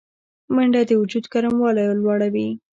منډه د وجود ګرموالی لوړوي